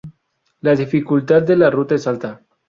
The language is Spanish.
La dificultad de la ruta es alta.